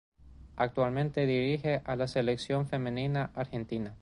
Actualmente dirige a la Selección femenina argentina.